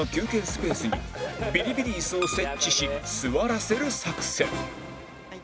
スペースにビリビリ椅子を設置し座らせる作戦